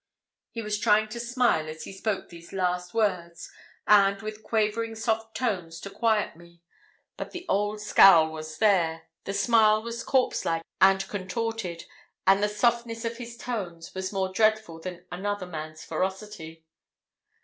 He was trying to smile as he spoke these last words, and, with quavering soft tones, to quiet me; but the old scowl was there, the smile was corpse like and contorted, and the softness of his tones was more dreadful than another man's ferocity.